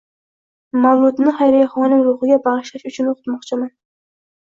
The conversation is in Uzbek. Mavludni Xayriyaxonim ruhiga bag'ishlash uchun o'qitmoqchiman.